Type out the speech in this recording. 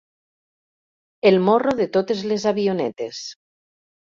El morro de totes les avionetes.